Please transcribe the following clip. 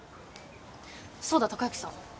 そうだ孝之さん。